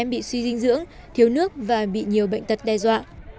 nhiều người bị doanh nghi thiếu nước và bị nhiều bệnh tật đe dọa